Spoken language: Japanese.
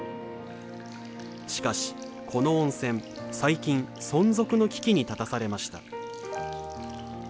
しかしこの温泉最近存続の危機に立たされました。